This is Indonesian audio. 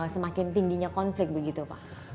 semakin tingginya konflik begitu pak